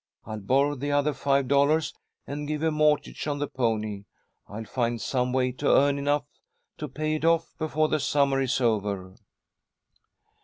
I'll borrow the other five dollars, and give a mortgage on the pony. I'll find some way to earn enough to pay it off before the summer is over."